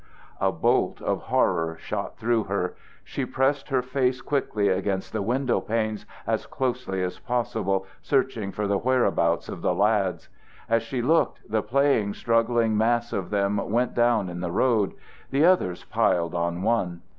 A bolt of horror shot through her. She pressed her face quickly against the window panes as closely as possible, searching for the whereabouts of the lads. As she looked, the playing struggling mass of them went down in the road, the others piled on one.